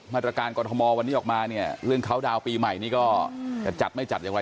มาตรการกรรมศาลมอล์วันนี้ออกมาเรื่องเคาน์ดาวน์ปีใหม่นี่ก็จะจัดไม่จัดอย่างไร